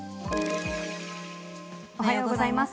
おはようございます。